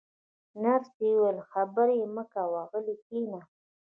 نرسې وویل: خبرې مه کوه، غلی کښېنه.